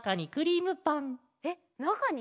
えっなかに？